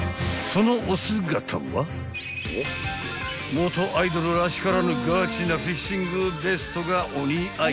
［元アイドルらしからぬガチなフィッシングベストがお似合い］